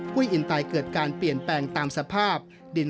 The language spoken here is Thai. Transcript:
อินไตเกิดการเปลี่ยนแปลงตามสภาพดิน